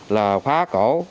là phá cổ